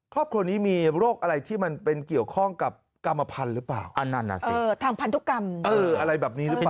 ครอบครัวนี้มีโรคอะไรที่มันเป็นเกี่ยวข้องกับกรรมพันธุ์หรือเปล่าอันนั้นน่ะสิทางพันธุกรรมเอออะไรแบบนี้หรือเปล่า